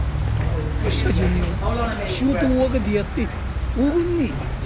あっしたちにも仕事を分けてやっておくんねえよ」。